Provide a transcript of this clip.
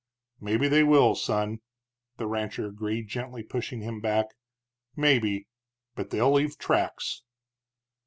"Maybe they will, son," the rancher agreed, gently pushing him back; "maybe. But they'll leave tracks."